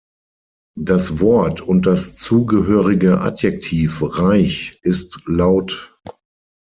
Das Wort und das zugehörige Adjektiv "reich" ist lt.